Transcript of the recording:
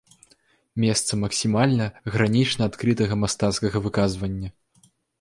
Месца максімальна, гранічна адкрытага мастацкага выказвання.